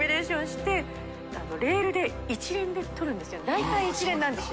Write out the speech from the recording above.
大体一連なんですよ。